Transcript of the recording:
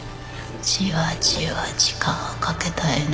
じわじわ時間をかけたいな